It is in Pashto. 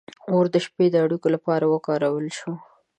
• اور د شپې د اړیکو لپاره وکارول شو.